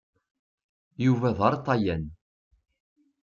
Yuba d aṛṭayan.